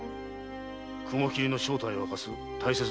雲切の正体を明かす大切な証拠だ。